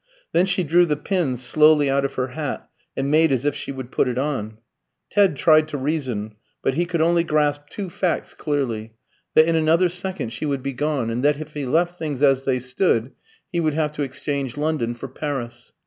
Then she drew the pins slowly out of her hat, and made as if she would put it on. Ted tried to reason, but he could only grasp two facts clearly that in another second she would be gone, and that if he left things as they stood he would have to exchange London for Paris.